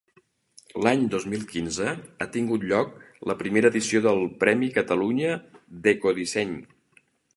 L'any dos mil quinze ha tingut lloc la primera edició del Premi Catalunya d'Ecodisseny.